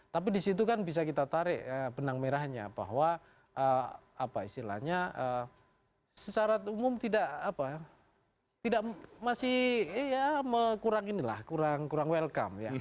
tapi di situ kan bisa kita tarik benang merahnya bahwa istilahnya secara umum tidak masih kurang welcome